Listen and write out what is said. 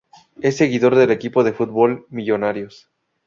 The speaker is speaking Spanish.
Es seguidor del equipo de fútbol Millonarios.